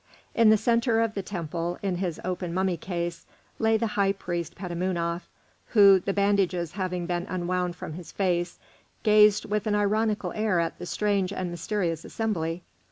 In the centre of the temple, in his open mummy case, lay the high priest Petamounoph, who, the bandages having been unwound from his face, gazed with an ironical air at that strange and mysterious assembly.